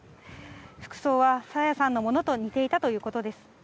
服装は朝芽さんのものと似ていたということです。